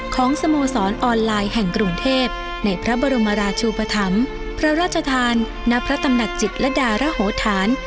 สโมสรออนไลน์แห่งกรุงเทพในพระบรมราชูปธรรมพระราชทานณพระตำหนักจิตและดารโหธาน